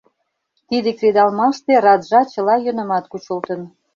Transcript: Тиде кредалмаште раджа чыла йӧнымат кучылтын.